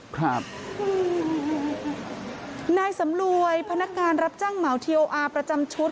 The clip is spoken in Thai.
ครับอืมนายสำรวยพนักงานรับจ้างเหมาทีโออาร์ประจำชุด